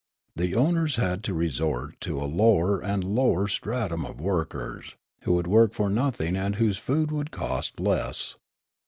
The owners had to resort to a lower and lower stratum of workers, who would work for nothing and whose food would cost less.